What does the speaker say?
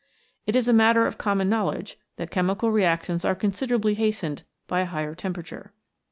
It is a matter of common know ledge that chemical reactions are considerably hastened by a higher temperature.